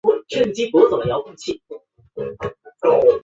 该地原是台湾府城建城总理吴鸾旗公馆。